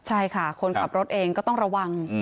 ใช่ค่ะคนขับรถเองก็ต้องระวัง